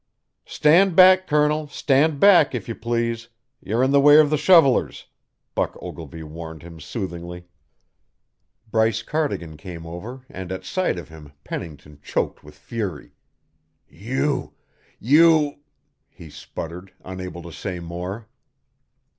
"Stand back, Colonel, stand back, if you please. You're in the way of the shovellers," Buck Ogilvy warned him soothingly. Bryce Cardigan came over, and at sight of him Pennington choked with fury. "You you " he sputtered, unable to say more.